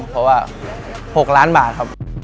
เพราะว่า๖ล้านบาท